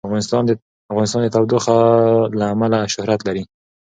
افغانستان د تودوخه له امله شهرت لري.